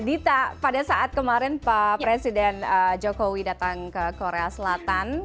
dita pada saat kemarin pak presiden jokowi datang ke korea selatan